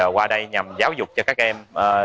qua đây nhằm giáo dục cho các em